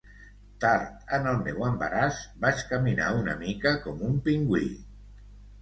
Tard en el meu embaràs, vaig caminar una mica com un pingüí.